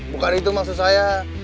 bukan itu maksud saya